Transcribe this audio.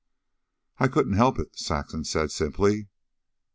"I couldn't help it," Saxon said simply.